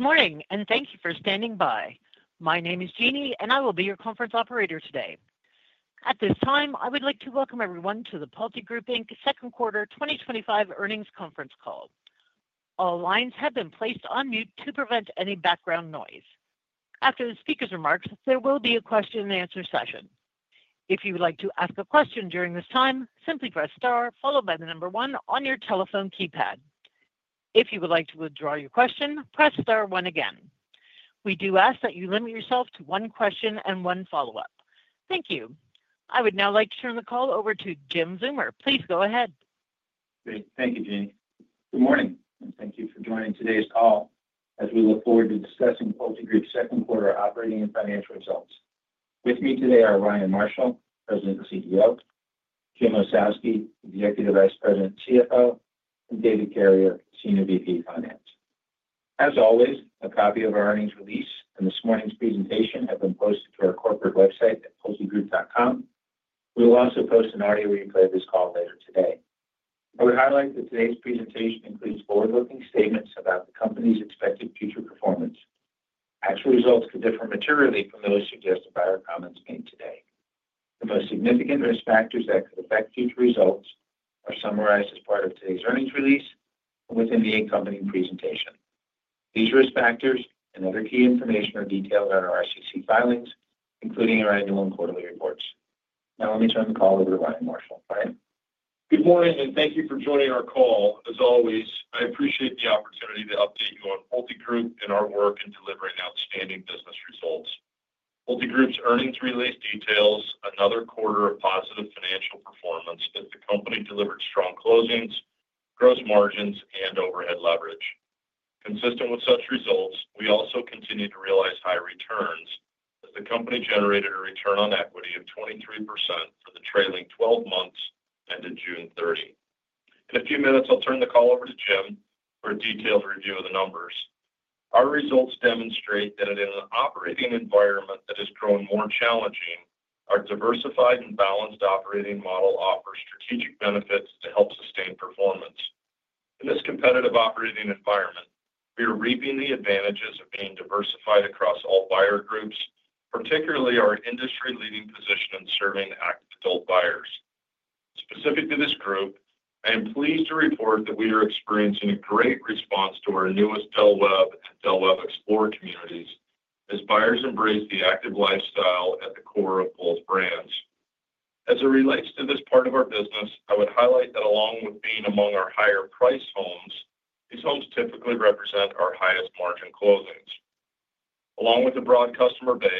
Good morning, and thank you for standing by. My name is Jeannie, and I will be your conference operator today. At this time, I would like to welcome everyone to the PulteGroup Second Quarter 2025 Earnings Conference Call. All lines have been placed on mute to prevent any background noise. After the speaker's remarks, there will be a Q&A session. If you would like to ask a question during this time, simply press * followed by the number 1 on your telephone keypad. If you would like to withdraw your question, press *1 again. We do ask that you limit yourself to one question and one follow-up. Thank you. I would now like to turn the call over to Jim Zeumer. Please go ahead. Great. Thank you, Jeannie. Good morning, and thank you for joining today's call as we look forward to discussing PulteGroup's Second Quarter Operating and Financial Results. With me today are Ryan Marshall, President and CEO; Jim Ossowski, Executive Vice President and CFO; and David Carrier, Senior VP Finance. As always, a copy of our earnings release and this morning's presentation have been posted to our corporate website, pultegroup.com. We will also post an audio replay of this call later today. I would highlight that today's presentation includes forward-looking statements about the company's expected future performance. Actual results could differ materially from those suggested by our comments made today. The most significant risk factors that could affect future results are summarized as part of today's earnings release and within the accompanying presentation. These risk factors and other key information are detailed on our SEC filings, including our annual and quarterly reports. Now, let me turn the call over to Ryan Marshall. Ryan. Good morning, and thank you for joining our call. As always, I appreciate the opportunity to update you on PulteGroup and our work in delivering outstanding business results. PulteGroup's earnings release details another quarter of positive financial performance as the company delivered strong closings, gross margins, and overhead leverage. Consistent with such results, we also continue to realize high returns as the company generated a return on equity of 23% for the trailing 12 months ended June 30. In a few minutes, I'll turn the call over to Jim for a detailed review of the numbers. Our results demonstrate that in an operating environment that is growing more challenging, our diversified and balanced operating model offers strategic benefits to help sustain performance. In this competitive operating environment, we are reaping the advantages of being diversified across all buyer groups, particularly our industry-leading position in serving active adult buyers. Specific to this group, I am pleased to report that we are experiencing a great response to our newest Del Webb and Del Webb Explorer communities as buyers embrace the active lifestyle at the core of both brands. As it relates to this part of our business, I would highlight that along with being among our higher-priced homes, these homes typically represent our highest-margin closings. Along with a broad customer base,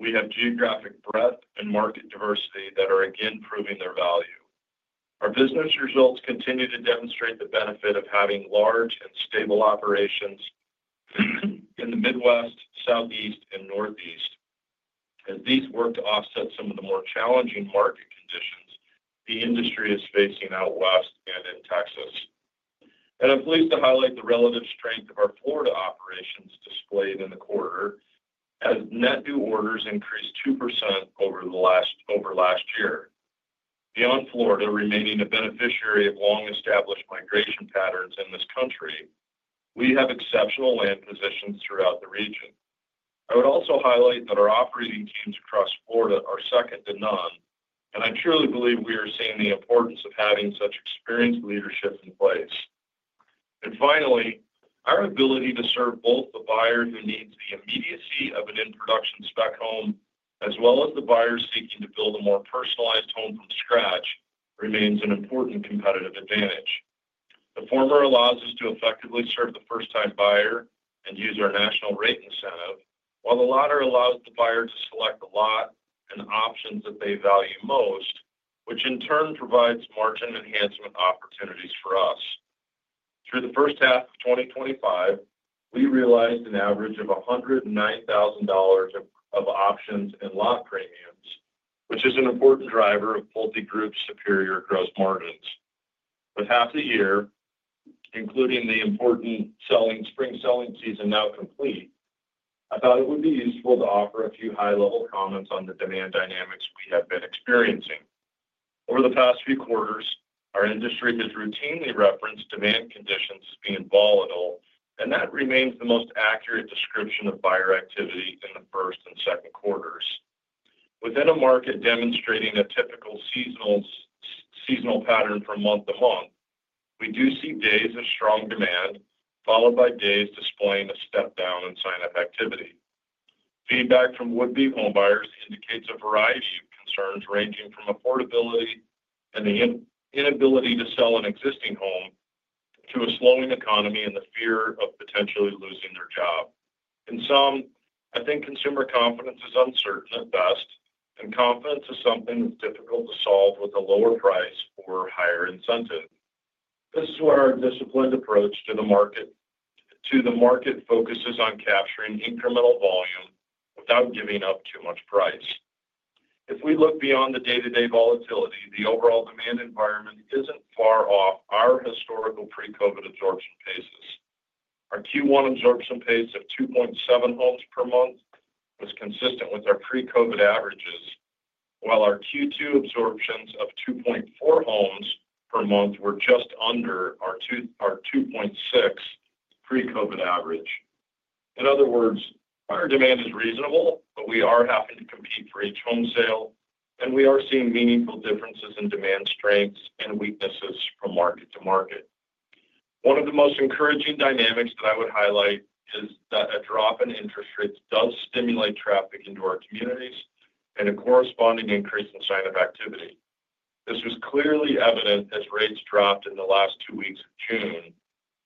we have geographic breadth and market diversity that are again proving their value. Our business results continue to demonstrate the benefit of having large and stable operations in the Midwest, Southeast, and Northeast. These work to offset some of the more challenging market conditions the industry is facing out West and in Texas. I am pleased to highlight the relative strength of our Florida operations displayed in the quarter as net new orders increased 2% over last year. Beyond Florida, remaining a beneficiary of long-established migration patterns in this country, we have exceptional land positions throughout the region. I would also highlight that our operating teams across Florida are second to none, and I truly believe we are seeing the importance of having such experienced leadership in place. Finally, our ability to serve both the buyer who needs the immediacy of an in-production spec home as well as the buyer seeking to build a more personalized home from scratch remains an important competitive advantage. The former allows us to effectively serve the first-time buyer and use our national rate incentive, while the latter allows the buyer to select a lot and options that they value most, which in turn provides margin enhancement opportunities for us. Through the first half of 2025, we realized an average of $109,000 of options and lot premiums, which is an important driver of PulteGroup's superior gross margins. With half the year, including the important spring selling season now complete, I thought it would be useful to offer a few high-level comments on the demand dynamics we have been experiencing. Over the past few quarters, our industry has routinely referenced demand conditions as being volatile, and that remains the most accurate description of buyer activity in the first and second quarters. Within a market demonstrating a typical seasonal pattern from month to month, we do see days of strong demand followed by days displaying a step-down in sign-up activity. Feedback from would-be homebuyers indicates a variety of concerns ranging from affordability and the inability to sell an existing home to a slowing economy and the fear of potentially losing their job. In sum, I think consumer confidence is uncertain at best, and confidence is something that's difficult to solve with a lower price or higher incentive. This is where our disciplined approach to the market focuses on capturing incremental volume without giving up too much price. If we look beyond the day-to-day volatility, the overall demand environment isn't far off our historical pre-COVID absorption paces. Our Q1 absorption pace of 2.7 homes per month was consistent with our pre-COVID averages, while our Q2 absorptions of 2.4 homes per month were just under our 2.6 pre-COVID average. In other words, buyer demand is reasonable, but we are having to compete for each home sale, and we are seeing meaningful differences in demand strengths and weaknesses from market to market. One of the most encouraging dynamics that I would highlight is that a drop in interest rates does stimulate traffic into our communities and a corresponding increase in sign-up activity. This was clearly evident as rates dropped in the last two weeks of June,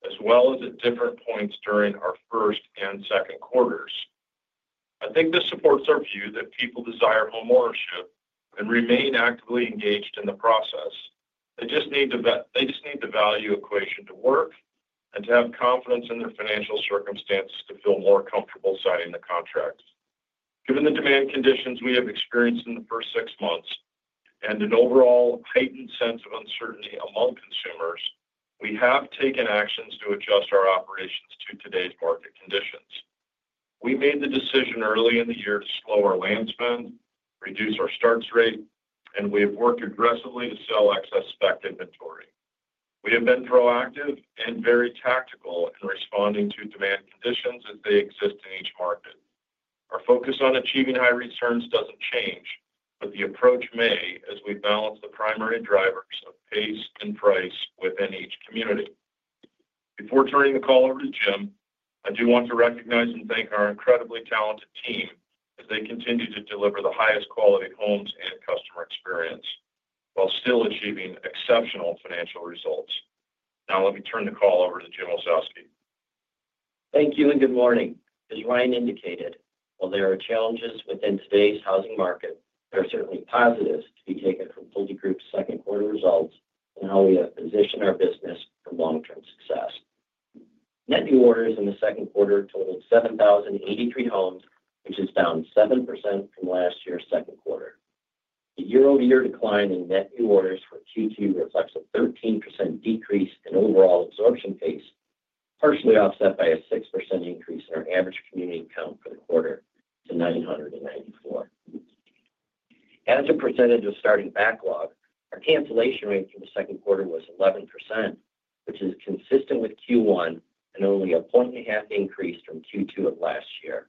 as well as at different points during our first and second quarters. I think this supports our view that people desire homeownership and remain actively engaged in the process. They just need the value equation to work and to have confidence in their financial circumstances to feel more comfortable signing the contract. Given the demand conditions we have experienced in the first six months and an overall heightened sense of uncertainty among consumers, we have taken actions to adjust our operations to today's market conditions. We made the decision early in the year to slow our land spend, reduce our starts rate, and we have worked aggressively to sell excess spec inventory. We have been proactive and very tactical in responding to demand conditions as they exist in each market. Our focus on achieving high returns doesn't change, but the approach may as we balance the primary drivers of pace and price within each community. Before turning the call over to Jim, I do want to recognize and thank our incredibly talented team as they continue to deliver the highest quality homes and customer experience while still achieving exceptional financial results. Now, let me turn the call over to Jim Ossowski. Thank you, and good morning. As Ryan indicated, while there are challenges within today's housing market, there are certainly positives to be taken from PulteGroup's second quarter results and how we have positioned our business for long-term success. Net new orders in the second quarter totaled 7,083 homes, which is down 7% from last year's second quarter. The year-over-year decline in net new orders for Q2 reflects a 13% decrease in overall absorption pace, partially offset by a 6% increase in our average community count for the quarter to 994. As a percentage of starting backlog, our cancellation rate for the second quarter was 11%, which is consistent with Q1 and only a 1.5 increase from Q2 of last year.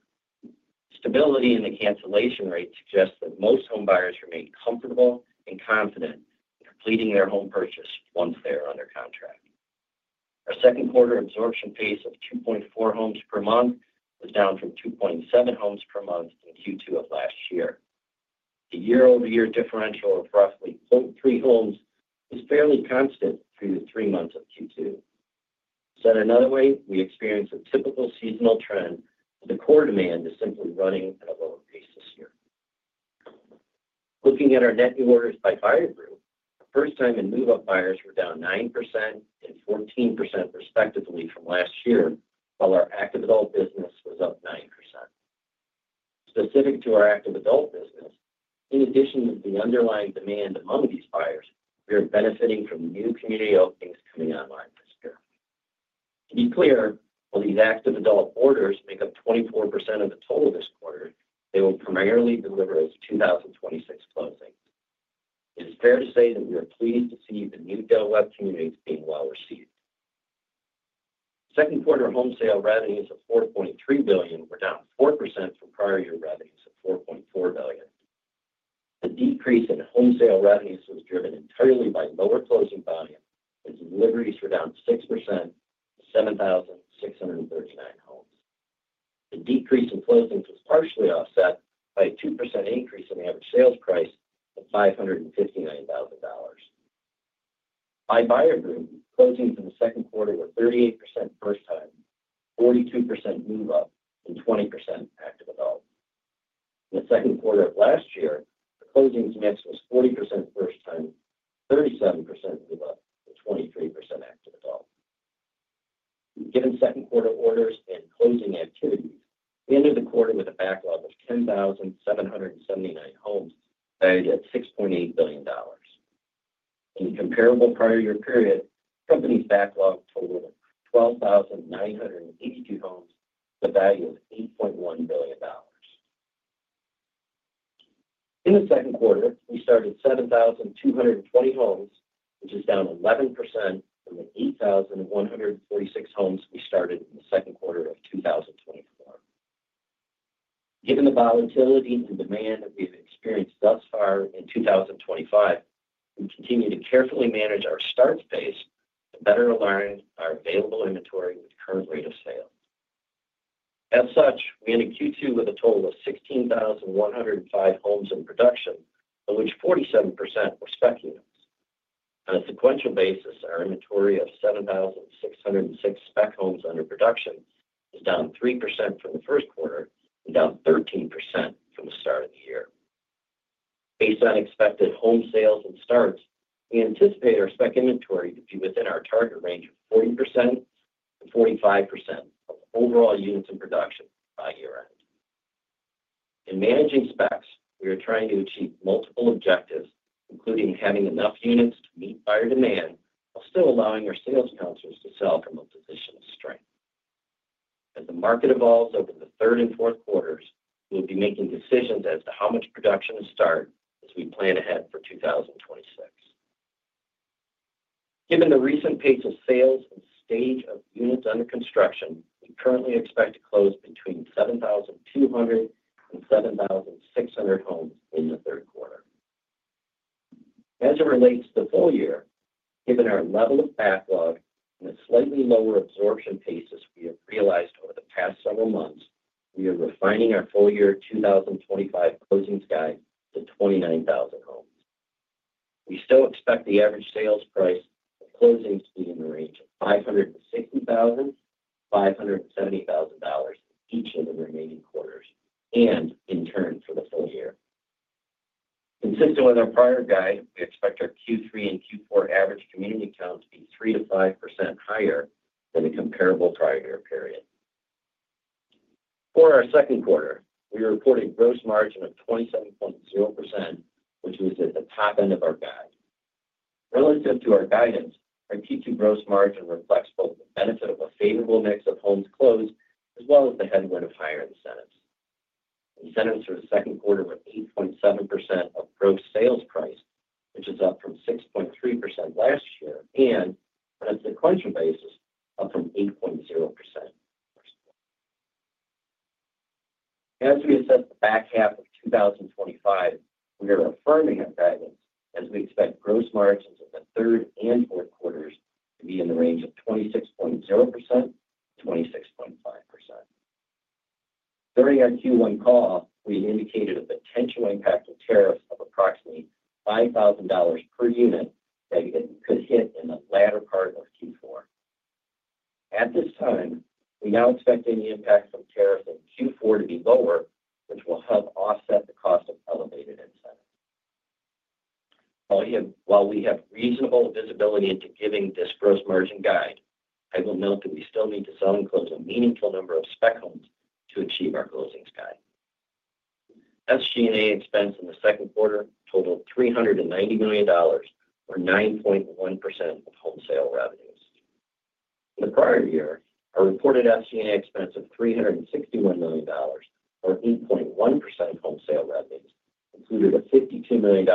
Stability in the cancellation rate suggests that most homebuyers remain comfortable and confident in completing their home purchase once they are under contract. Our second quarter absorption pace of 2.4 homes per month was down from 2.7 homes per month in Q2 of last year. The year-over-year differential of roughly 0.3 homes was fairly constant through the three months of Q2. Said another way, we experience a typical seasonal trend with the core demand simply running at a lower pace this year. Looking at our net new orders by buyer group, first-time and move-up buyers were down 9% and 14% respectively from last year, while our active adult business was up 9%. Specific to our active adult business, in addition to the underlying demand among these buyers, we are benefiting from new community openings coming online this year. To be clear, while these active adult orders make up 24% of the total this quarter, they will primarily deliver its 2026 closing. It is fair to say that we are pleased to see the new Del Webb communities being well received. Second quarter home sale revenues of $4.3 billion were down 4% from prior year revenues of $4.4 billion. The decrease in home sale revenues was driven entirely by lower closing volume, as deliveries were down 6% to 7,639 homes. The decrease in closings was partially offset by a 2% increase in average sales price of $559,000. By buyer group, closings in the second quarter were 38% first-time, 42% move-up, and 20% active adult. In the second quarter of last year, the closings mix was 40% first-time, 37% move-up, and 23% active adult. Given second quarter orders and closing activities, we ended the quarter with a backlog of 10,779 homes valued at $6.8 billion. In the comparable prior year period, the company's backlog totaled 12,982 homes with a value of $8.1 billion. In the second quarter, we started 7,220 homes, which is down 11% from the 8,146 homes we started in the second quarter of 2024. Given the volatility and demand that we have experienced thus far in 2025, we continue to carefully manage our starts pace to better align our available inventory with current rate of sale. As such, we ended Q2 with a total of 16,105 homes in production, of which 47% were spec units. On a sequential basis, our inventory of 7,606 spec homes under production is down 3% from the first quarter and down 13% from the start of the year. Based on expected home sales and starts, we anticipate our spec inventory to be within our target range of 40%-45% of overall units in production by year-end. In managing specs, we are trying to achieve multiple objectives, including having enough units to meet buyer demand while still allowing our sales counselors to sell from a position of strength. As the market evolves over the third and fourth quarters, we will be making decisions as to how much production to start as we plan ahead for 2026. Given the recent pace of sales and stage of units under construction, we currently expect to close between 7,200 and 7,600 homes in the third quarter. As it relates to the full year, given our level of backlog and the slightly lower absorption pace as we have realized over the past several months, we are refining our full year 2025 closings guide to 29,000 homes. We still expect the average sales price of closings to be in the range of $560,000-$570,000 each in the remaining quarters and in turn for the full year. Consistent with our prior guide, we expect our Q3 and Q4 average community count to be 3%-5% higher than the comparable prior year period. For our second quarter, we reported gross margin of 27.0%, which was at the top end of our guide. Relative to our guidance, our Q2 gross margin reflects both the benefit of a favorable mix of homes closed as well as the headwind of higher incentives. Incentives for the second quarter were 8.7% of gross sales price, which is up from 6.3% last year and, on a sequential basis, up from 8.0%. As we assess the back half of 2025, we are affirming our guidance as we expect gross margins in the third and fourth quarters to be in the range of 26.0%-26.5%. During our Q1 call, we had indicated a potential impact of tariffs of approximately $5,000 per unit that could hit in the latter part of Q4. At this time, we now expect any impact from tariffs in Q4 to be lower, which will help offset the cost of elevated incentives. While we have reasonable visibility into giving this gross margin guide, I will note that we still need to sell and close a meaningful number of spec homes to achieve our closings guide. SG&A expense in the second quarter totaled $390 million, or 9.1% of home sale revenues. In the prior year, our reported SG&A expense of $361 million, or 8.1% of home sale revenues, included a $52 million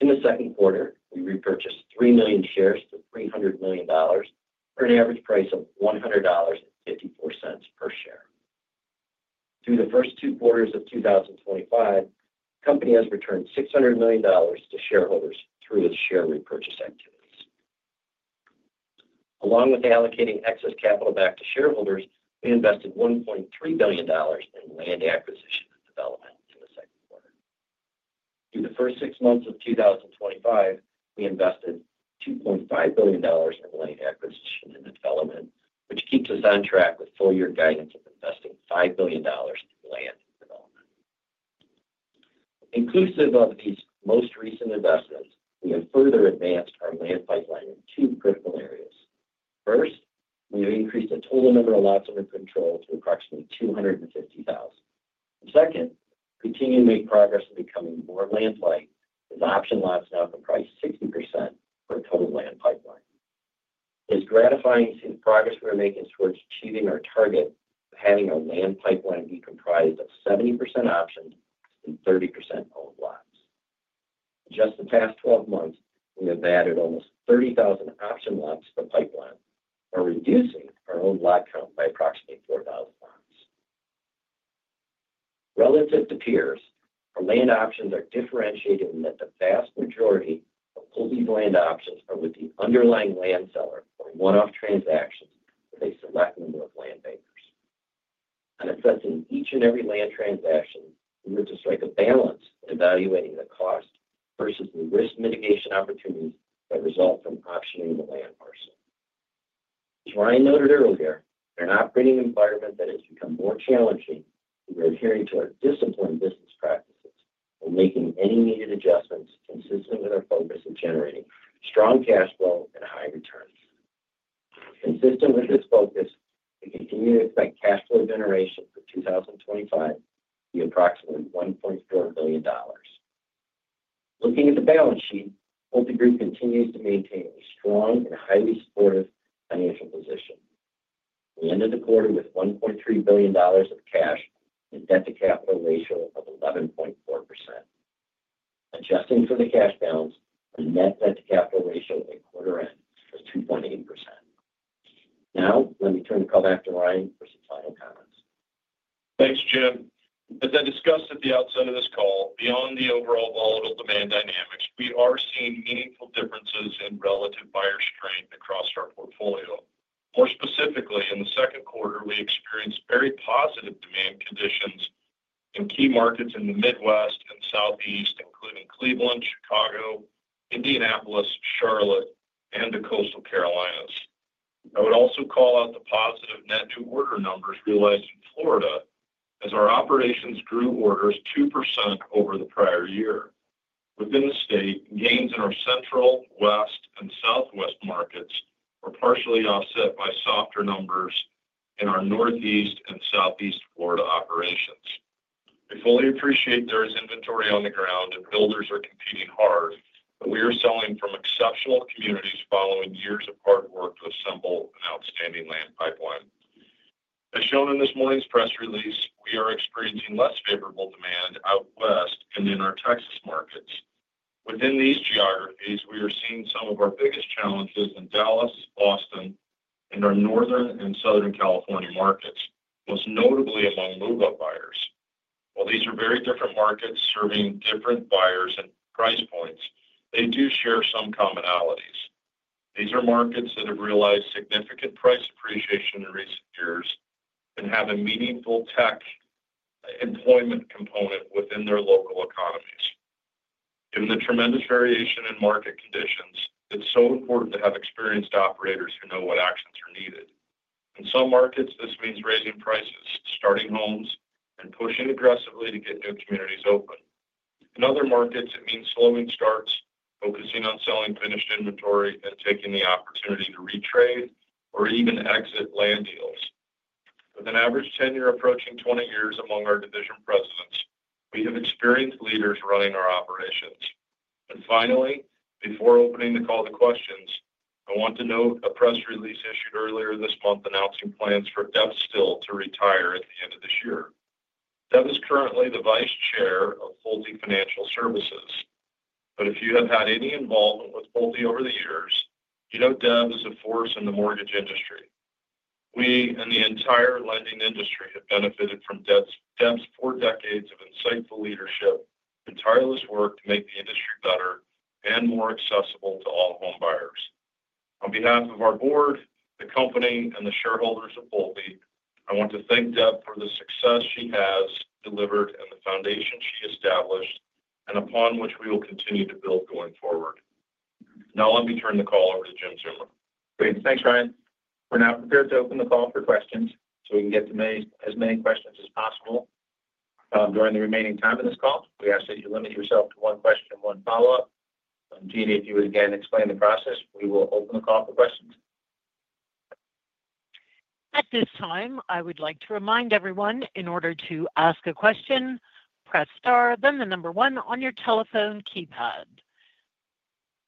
In the second quarter, we repurchased 3 million shares for $300 million, for an average price of $100.54 per share. Through the first two quarters of 2025, the company has returned $600 million to shareholders through its share repurchase activities. Along with allocating excess capital back to shareholders, we invested $1.3 billion in land acquisition and development in the second quarter. Through the first six months of 2025, we invested $2.5 billion in land acquisition and development, which keeps us on track with full year guidance of investing $5 billion in land development. Inclusive of these most recent investments, we have further advanced our land pipeline in two critical areas. First, we have increased the total number of lots under control to approximately 250,000. Second, we continue to make progress in becoming more land-light, with option lots now comprised of 60% of our total land pipeline. It is gratifying to see the progress we are making towards achieving our target of having our land pipeline be comprised of 70% options and 30% owned lots. In just the past 12 months, we have added almost 30,000 option lots to the pipeline, while reducing our owned lot count by approximately 4,000 lots. Relative to peers, our land options are differentiated in that the vast majority of PulteGroup land options are with the underlying land seller for one-off transactions with a select number of land bankers. On assessing each and every land transaction, we work to strike a balance in evaluating the cost versus the risk mitigation opportunities that result from optioning the land parcel. As Ryan noted earlier, in an operating environment that has become more challenging, we are adhering to our disciplined business practices while making any needed adjustments consistent with our focus of generating strong cash flow and high returns. Consistent with this focus, we continue to expect cash flow generation for 2025 to be approximately $1.4 billion. Looking at the balance sheet, PulteGroup continues to maintain a strong and highly supportive financial position. We ended the quarter with $1.3 billion of cash and a debt-to-capital ratio of 11.4%. Adjusting for the cash balance, our net debt-to-capital ratio at quarter-end was 2.8%. Now, let me turn the call back to Ryan for some final comments. Thanks, Jim. As I discussed at the outset of this call, beyond the overall volatile demand dynamics, we are seeing meaningful differences in relative buyer strength across our portfolio. More specifically, in the second quarter, we experienced very positive demand conditions in key markets in the Midwest and Southeast, including Cleveland, Chicago, Indianapolis, Charlotte, and the coastal Carolinas. I would also call out the positive net new order numbers realized in Florida, as our operations grew orders 2% over the prior year. Within the state, gains in our central, west, and southwest markets were partially offset by softer numbers in our Northeast and Southeast Florida operations. I fully appreciate there is inventory on the ground and builders are competing hard, but we are selling from exceptional communities following years of hard work to assemble an outstanding land pipeline. As shown in this morning's press release, we are experiencing less favorable demand out west and in our Texas markets. Within these geographies, we are seeing some of our biggest challenges in Dallas, Boston, and our northern and southern California markets, most notably among move-up buyers. While these are very different markets serving different buyers and price points, they do share some commonalities. These are markets that have realized significant price appreciation in recent years and have a meaningful tech employment component within their local economies. Given the tremendous variation in market conditions, it's so important to have experienced operators who know what actions are needed. In some markets, this means raising prices, starting homes, and pushing aggressively to get new communities open. In other markets, it means slowing starts, focusing on selling finished inventory, and taking the opportunity to retrade or even exit land deals. With an average tenure approaching 20 years among our division presidents, we have experienced leaders running our operations. Finally, before opening the call to questions, I want to note a press release issued earlier this month announcing plans for Deb Still to retire at the end of this year. Deb is currently the Vice Chair of Pulte Financial Services. If you have had any involvement with Pulte over the years, you know Deb is a force in the mortgage industry. We and the entire lending industry have benefited from Deb's four decades of insightful leadership and tireless work to make the industry better and more accessible to all homebuyers. On behalf of our board, the company, and the shareholders of Pulte, I want to thank Deb for the success she has delivered and the foundation she established and upon which we will continue to build going forward. Now, let me turn the call over to Jim Zeumer. Great. Thanks, Ryan. We're now prepared to open the call for questions so we can get as many questions as possible. During the remaining time of this call, we ask that you limit yourself to one question and one follow-up. Jeanie, if you would again explain the process, we will open the call for questions. At this time, I would like to remind everyone, in order to ask a question, press *, then the number 1 on your telephone keypad.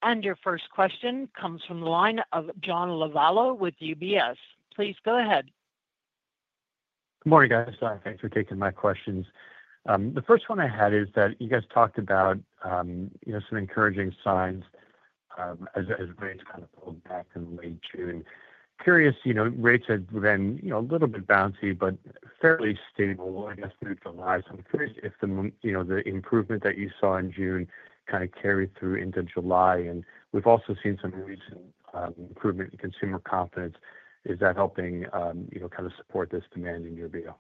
And your first question comes from the line of John Lovallo with UBS. Please go ahead. Good morning, guys. Thanks for taking my questions. The first one I had is that you guys talked about, some encouraging signs. As rates kind of pulled back in late June. Curious, rates had been a little bit bouncy, but fairly stable, I guess, through July. So I'm curious if the improvement that you saw in June kind of carried through into July? And we've also seen some recent improvement in consumer confidence. Is that helping kind of support this demand in your view?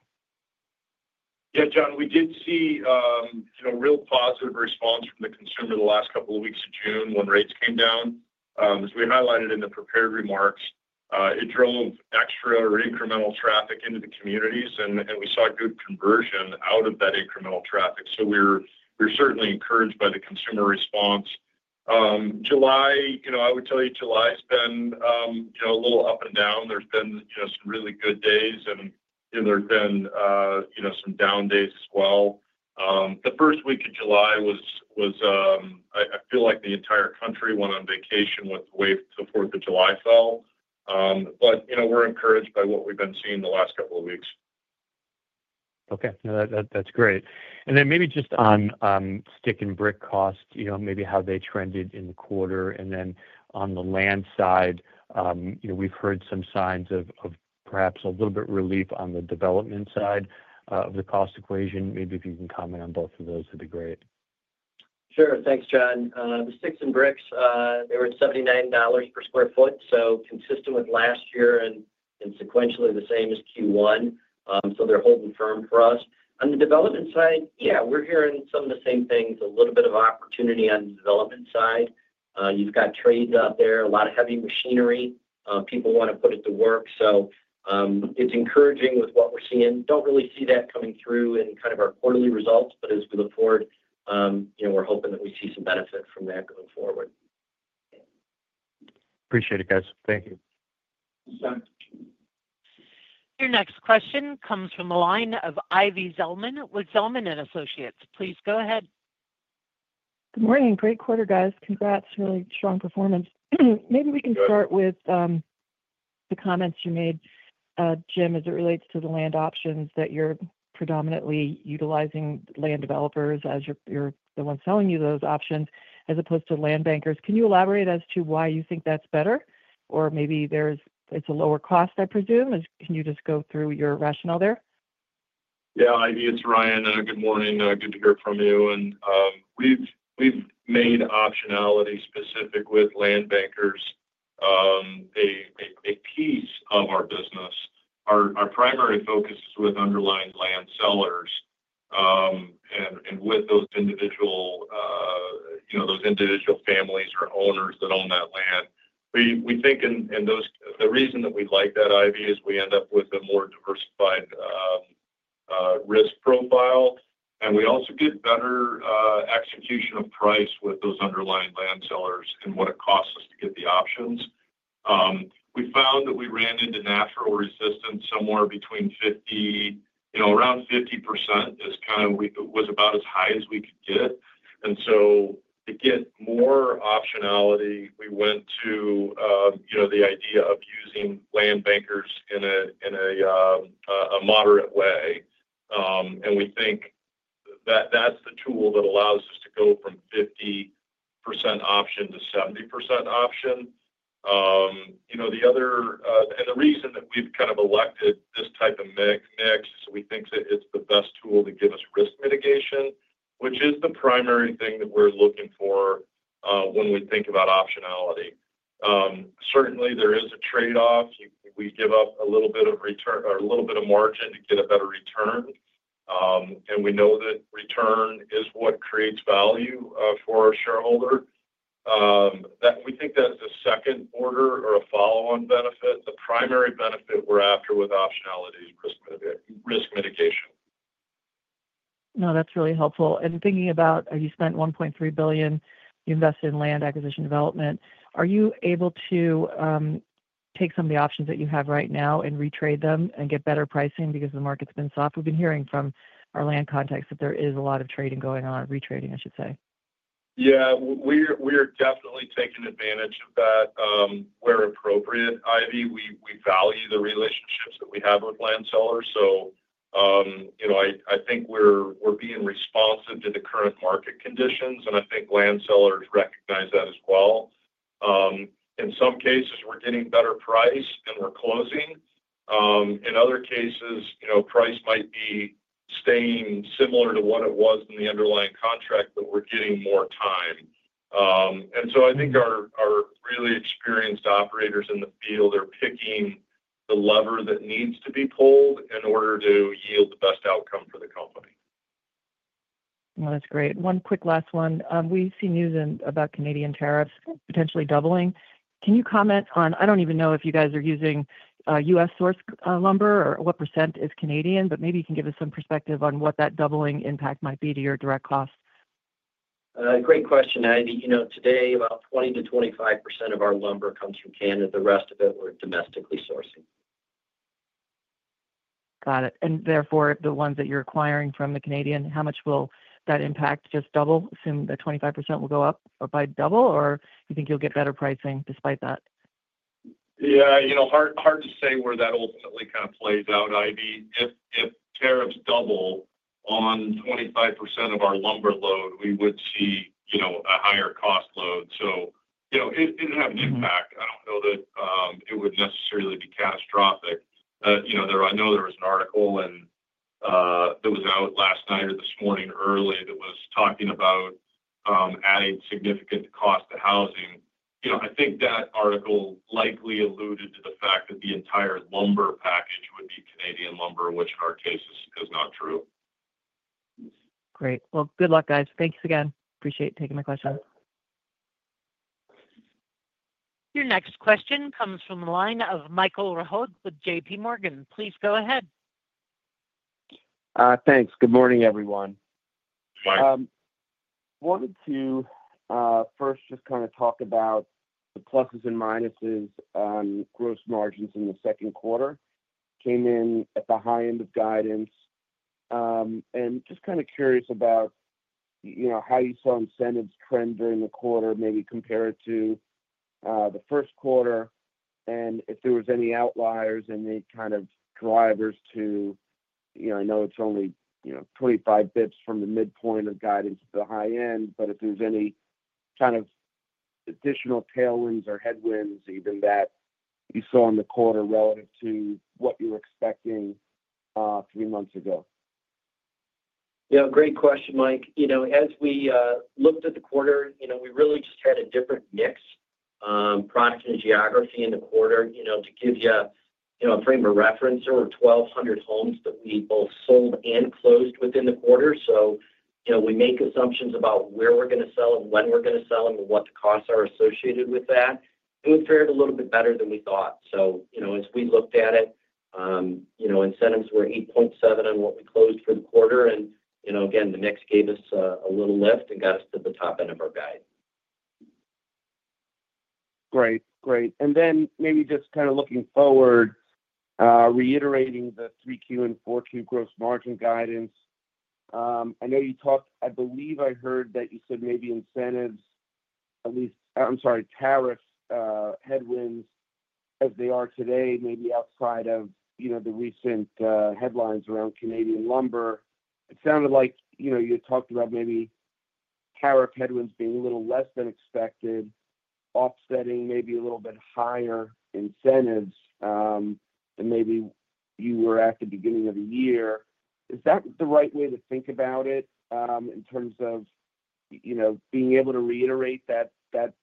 Yeah, John, we did see, a real positive response from the consumer the last couple of weeks of June when rates came down. As we highlighted in the prepared remarks, it drove extra or incremental traffic into the communities, and we saw good conversion out of that incremental traffic. So we were certainly encouraged by the consumer response. July, I would tell you July's been a little up and down. There's been some really good days, and there's been. Some down days as well. The first week of July was, I feel like the entire country went on vacation with the way the 4th of July fell. But we're encouraged by what we've been seeing the last couple of weeks. Okay. That's great. And then maybe just on stick-and-brick costs, maybe how they trended in the quarter. And then on the land side, we've heard some signs of perhaps a little bit of relief on the development side of the cost equation? Maybe if you can comment on both of those, that'd be great. Sure. Thanks, John. The sticks-and-bricks, they were at $79 per sq ft, so consistent with last year and sequentially the same as Q1. So they're holding firm for us. On the development side, yeah, we're hearing some of the same things, a little bit of opportunity on the development side. You've got trades out there, a lot of heavy machinery. People want to put it to work. It's encouraging with what we're seeing. Don't really see that coming through in kind of our quarterly results, but as we look forward, we're hoping that we see some benefit from that going forward. Appreciate it, guys. Thank you. Your next question comes from the line of Ivy Zelman with Zelman & Associates. Please go ahead. Good morning. Great quarter, guys. Congrats. Really strong performance. Maybe we can start with the comments you made, Jim, as it relates to the land options that you're predominantly utilizing land developers as you're the one selling you those options as opposed to land bankers. Can you elaborate as to why you think that's better? Or maybe it's a lower cost, I presume? Can you just go through your rationale there? Yeah. It's Ryan. Good morning. Good to hear from you. And we've made optionality specific with land bankers a piece of our business. Our primary focus is with underlying land sellers. And with those individual families or owners that own that land. We think the reason that we like that, Ivy, is we end up with a more diversified risk profile. And we also get better execution of price with those underlying land sellers and what it costs us to get the options. We found that we ran into natural resistance somewhere between 50, around 50% is kind of was about as high as we could get. And to get more optionality, we went to the idea of using land bankers in a moderate way. We think that's the tool that allows us to go from 50% option to 70% option. The other and the reason that we've kind of elected, this type of mix is we think that it's the best tool to give us risk mitigation, which is the primary thing that we're looking for when we think about optionality. Certainly, there is a trade-off. We give up a little bit of return or a little bit of margin to get a better return. And we know that return is what creates value for our shareholder. We think that's the second order or a follow-on benefit. The primary benefit we're after with optionality is risk mitigation. No, that's really helpful. And thinking about, as you spent $1.3 billion, you invested in land acquisition and development, are you able to take some of the options that you have right now and retrade them and get better pricing because the market's been soft? We've been hearing from our land contacts that there is a lot of trading going on, retrading, I should say. Yeah. We are definitely taking advantage of that. Where appropriate, Ivy, we value the relationships that we have with land sellers. I think we're being responsive to the current market conditions, and I think land sellers recognize that as well. In some cases, we're getting better price and we're closing. In other cases, price might be staying similar to what it was in the underlying contract, but we're getting more time. I think our really experienced operators in the field are picking the lever that needs to be pulled in order to yield the best outcome for the company. That's great. One quick last one. We've seen news about Canadian tariffs potentially doubling. Can you comment on, I don't even know if you guys are using US source lumber or what percent is Canadian, but maybe you can give us some perspective on what that doubling impact might be to your direct costs. Great question, Ivy. Today, about 20%-25% of our lumber comes from Canada. The rest of it, we're domestically sourcing. Got it. Therefore, the ones that you're acquiring from the Canadian, how much will that impact just double? Assume that 25% will go up by double, or do you think you'll get better pricing despite that? Yeah. Hard to say where that ultimately kind of plays out, Ivy. If tariffs double on 25% of our lumber load, we would see a higher cost load. It'd have an impact. I don't know that it would necessarily be catastrophic. I know there was an article that was out last night or this morning early that was talking about adding significant cost to housing. I think that article likely alluded to the fact that the entire lumber package would be Canadian lumber, which in our case is not true. Great. Good luck, guys. Thanks again. Appreciate taking my questions. Your next question comes from the line of Michael Rehaut with JPMorgan Chase & Co. Please go ahead. Thanks. Good morning, everyone. Morning. Wanted to first just kind of talk about the pluses and minuses on gross margins in the second quarter, came in at the high end of guidance. Just kind of curious about how you saw incentives trend during the quarter, maybe compare it to the first quarter, and if there were any outliers and any kind of drivers to, I know it's only 25 basis points from the midpoint of guidance to the high end, but if there's any kind of additional tailwinds or headwinds even that you saw in the quarter relative to what you were expecting three months ago? Yeah. Great question, Mike. As we looked at the quarter, we really just had a different mix. Product and geography in the quarter, to give you a frame of reference, there were 1,200 homes that we both sold and closed within the quarter. We make assumptions about where we're going to sell and when we're going to sell and what the costs are associated with that. It fared a little bit better than we thought. As we looked at it, incentives were 8.7% on what we closed for the quarter. Again, the mix gave us a little lift and got us to the top end of our guide. Great. And then maybe just kind of looking forward. Reiterating the 3Q and 4Q gross margin guidance. I know you talked, I believe I heard that you said maybe incentives, at least, I'm sorry, tariffs, headwinds as they are today, maybe outside of the recent headlines around Canadian lumber. It sounded like you had talked about maybe tariff headwinds being a little less than expected, offsetting maybe a little bit higher incentives than maybe you were at the beginning of the year. Is that the right way to think about it in terms of being able to reiterate that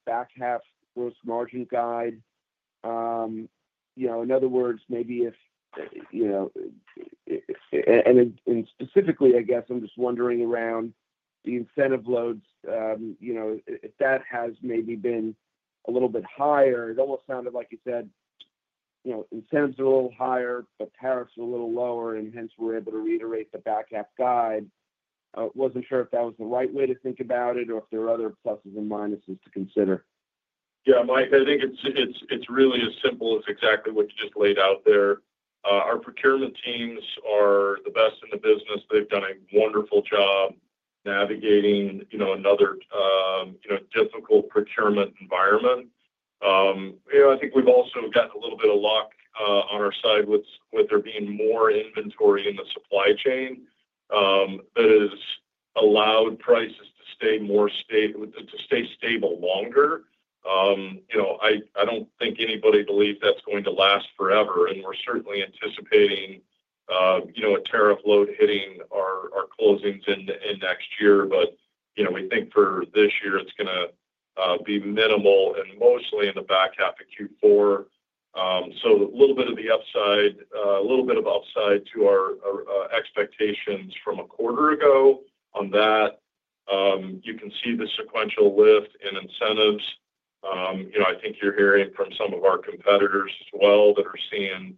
back half gross margin guide? In other words, maybe if, and specifically, I guess I'm just wondering around the incentive loads, if that has maybe been a little bit higher. It almost sounded like you said incentives are a little higher, but tariffs are a little lower, and hence we're able to reiterate the back half guide. I wasn't sure if that was the right way to think about it or if there are other pluses and minuses to consider? Yeah, Mike, I think it's really as simple as exactly what you just laid out there. Our procurement teams are the best in the business. They've done a wonderful job navigating another difficult procurement environment. I think we've also gotten a little bit of luck on our side with there being more inventory in the supply chain. That has allowed prices to stay stable longer. I don't think anybody believes that's going to last forever, and we're certainly anticipating a tariff load hitting our closings in next year. We think for this year, it's going to be minimal and mostly in the back half of Q4. A little bit of upside to our expectations from a quarter ago on that. You can see the sequential lift in incentives. I think you're hearing from some of our competitors as well that are seeing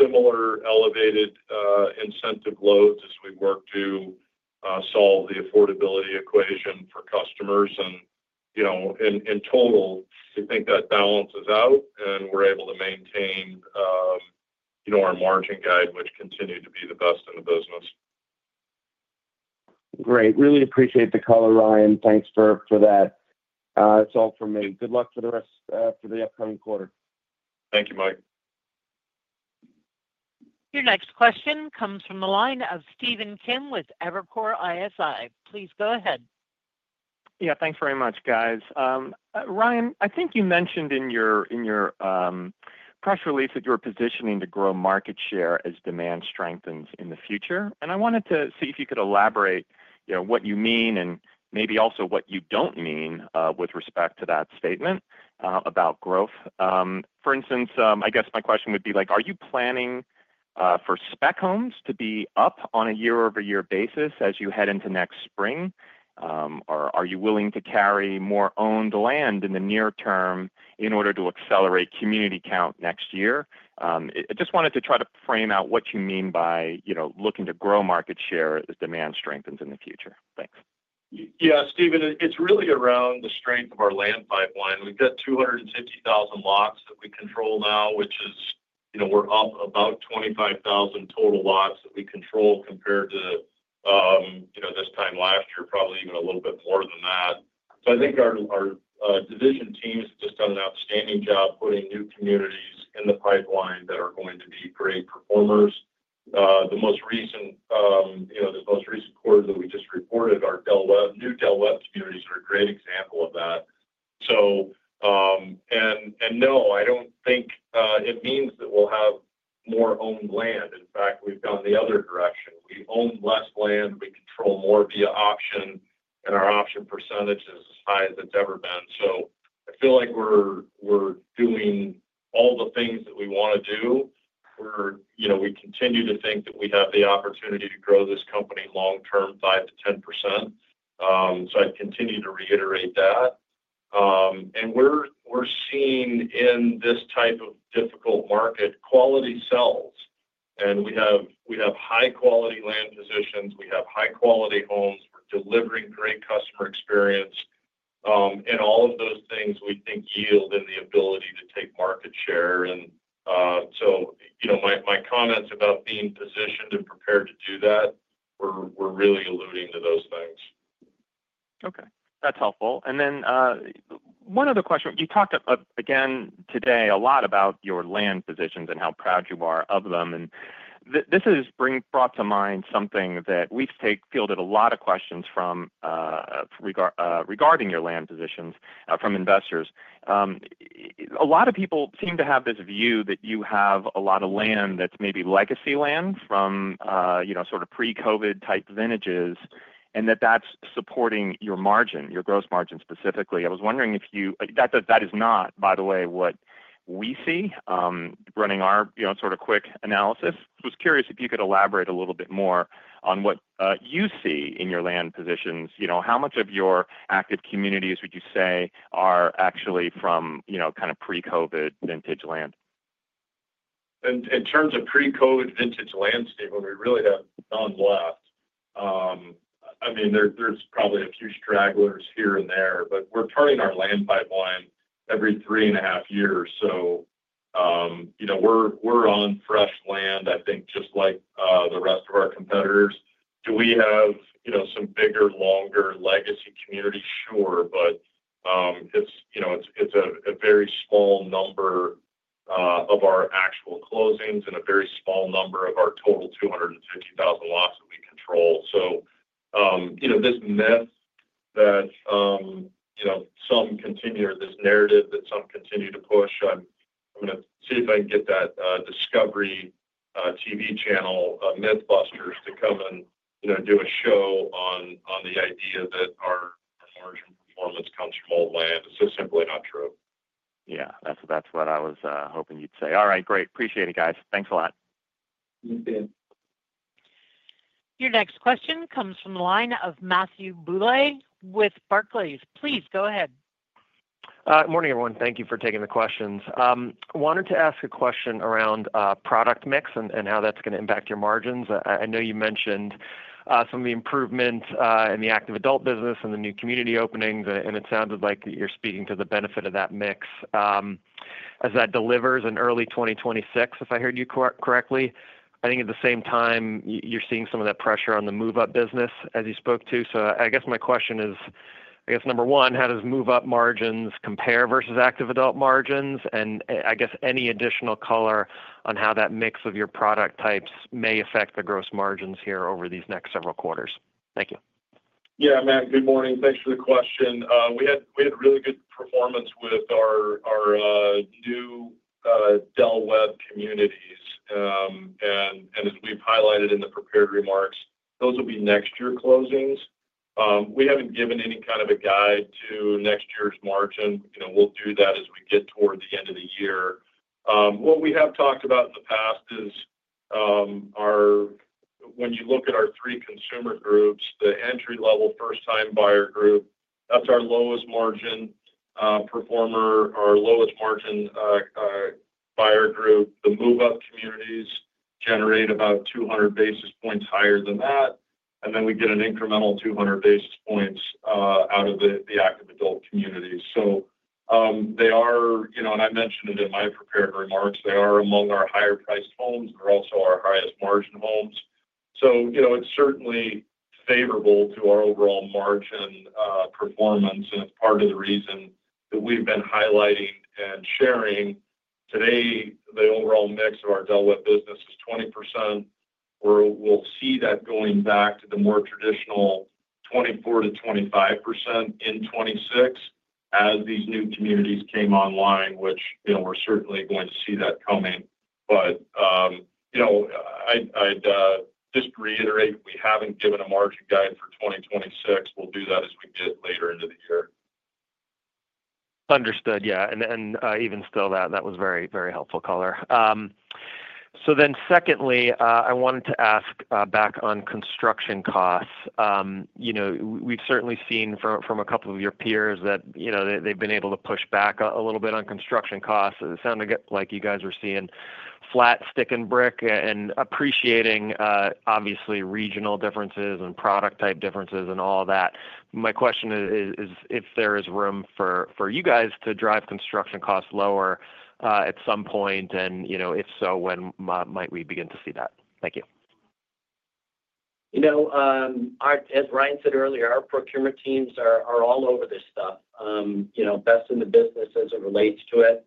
similar elevated incentive loads as we work to solve the affordability equation for customers. In total, we think that balances out, and we're able to maintain our margin guide, which continued to be the best in the business. Great. Really appreciate the call, Ryan. Thanks for that. That's all for me. Good luck for the rest for the upcoming quarter. Thank you, Mike. Your next question comes from the line of Stephen Kim with Evercore ISI. Please go ahead. Yeah. Thanks very much, guys. Ryan, I think you mentioned in your press release that you're positioning to grow market share as demand strengthens in the future. I wanted to see if you could elaborate what you mean and maybe also what you don't mean with respect to that statement about growth. For instance, I guess my question would be, are you planning for spec homes to be up on a year-over-year basis as you head into next spring? Or are you willing to carry more owned land in the near term in order to accelerate community count next year? I just wanted to try to frame out what you mean by looking to grow market share as demand strengthens in the future. Thanks. Yeah, Stephen, it's really around the strength of our land pipeline. We've got 250,000 lots that we control now, which is. We're up about 25,000 total lots that we control compared to, this time last year, probably even a little bit more than that. I think our division team has just done an outstanding job putting new communities in the pipeline that are going to be great performers. The most recent, this most recent quarter that we just reported, our new Del Webb communities are a great example of that. No, I don't think it means that we'll have more owned land. In fact, we've gone the other direction. We own less land. We control more via option. Our option percentage is as high as it's ever been. I feel like we're doing all the things that we want to do. We continue to think that we have the opportunity to grow this company long-term, 5%-10%, I'd continue to reiterate that. We're seeing in this type of difficult market, quality sells. We have high-quality land positions. We have high-quality homes. We're delivering great customer experience. All of those things we think yield in the ability to take market share. My comments about being positioned and prepared to do that were really alluding to those things. Okay. That's helpful. One other question. You talked again today a lot about your land positions and how proud you are of them. This has brought to mind something that we've fielded a lot of questions from regarding your land positions from investors. A lot of people seem to have this view that you have a lot of land that's maybe legacy land from sort of pre-COVID-type vintages and that that's supporting your margin, your gross margin specifically. I was wondering if you that is not, by the way, what we see running our sort of quick analysis. I was curious if you could elaborate a little bit more on what you see in your land positions. How much of your active communities would you say are actually from kind of pre-COVID vintage land? In terms of pre-COVID vintage landscape, we really have none left. I mean, there's probably a few stragglers here and there, but we're turning our land pipeline every three and a half years. We're on fresh land, I think, just like the rest of our competitors. Do we have some bigger, longer legacy communities? Sure. It's a very small number of our actual closings and a very small number of our total 250,000 lots that we control. This myth that, some continue, or this narrative that some continue to push, I'm going to see if I can get that Discovery TV channel Mythbusters to come and do a show on the idea that our margin performance comes from old land. It's just simply not true. Yeah. That's what I was hoping you'd say. All right. Great. Appreciate it, guys. Thanks a lot. You too. Your next question comes from the line of Matthew Bouley with Barclays. Please go ahead. Good morning, everyone. Thank you for taking the questions. I wanted to ask a question around product mix and how that's going to impact your margins. I know you mentioned some of the improvement in the active adult business and the new community openings, and it sounded like you're speaking to the benefit of that mix, as that delivers in early 2026, if I heard you correctly. I think at the same time, you're seeing some of that pressure on the move-up business as you spoke to. I guess my question is, I guess, number one, how does move-up margins compare versus active adult margins? And I guess any additional color on how that mix of your product types may affect the gross margins here over these next several quarters? Thank you. Yeah, Matt. Good morning. Thanks for the question. We had really good performance with our new Del Webb communities. And as we've highlighted in the prepared remarks, those will be next year's closings. We haven't given any kind of a guide to next year's margin. We'll do that as we get toward the end of the year. What we have talked about in the past is, when you look at our three consumer groups, the entry-level first-time buyer group, that's our lowest margin performer, our lowest margin buyer group. The move-up communities generate about 200 basis points higher than that. And then we get an incremental 200 basis points out of the active adult community. They are, and I mentioned it in my prepared remarks, they are among our higher-priced homes. They're also our highest margin homes. It's certainly favorable to our overall margin performance. It's part of the reason that we've been highlighting and sharing today the overall mix of our Del Webb business is 20%. We'll see that going back to the more traditional 24-25% in 2026 as these new communities came online, which we're certainly going to see that coming. I'd just reiterate, we haven't given a margin guide for 2026.= We'll do that as we get later into the year. Understood. Yeah. And even still, that was very, very helpful, color. Secondly, I wanted to ask back on construction costs. We've certainly seen from a couple of your peers that they've been able to push back a little bit on construction costs. It sounded like you guys were seeing flat stick-and-brick and appreciating, obviously, regional differences and product-type differences and all that. My question is if there is room for you guys to drive construction costs lower at some point. And if so, when might we begin to see that? Thank you. As Ryan said earlier, our procurement teams are all over this stuff. Best in the business as it relates to it.